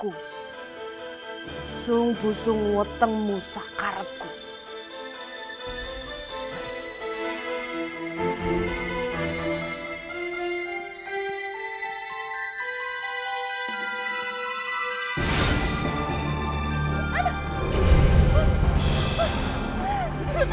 tolong panggil induk terbang